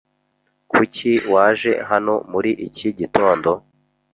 Kuki waje hano muri iki gitondo?